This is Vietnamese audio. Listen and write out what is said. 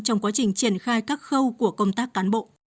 trong quá trình triển khai các khâu của công tác cán bộ